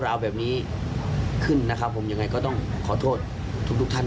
ราวแบบนี้ขึ้นนะครับผมยังไงก็ต้องขอโทษทุกทุกท่าน